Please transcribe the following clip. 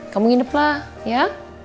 kamu nginep lah ya